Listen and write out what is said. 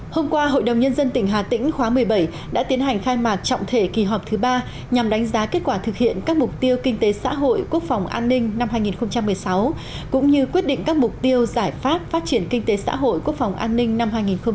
hôm qua hội đồng nhân dân tỉnh hà tĩnh khóa một mươi bảy đã tiến hành khai mạc trọng thể kỳ họp thứ ba nhằm đánh giá kết quả thực hiện các mục tiêu kinh tế xã hội quốc phòng an ninh năm hai nghìn một mươi sáu cũng như quyết định các mục tiêu giải pháp phát triển kinh tế xã hội quốc phòng an ninh năm hai nghìn một mươi chín